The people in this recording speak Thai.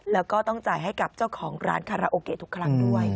แล้วก็ต้องจ่ายให้กับเจ้าของร้านคาราโอเกะทุกครั้งด้วย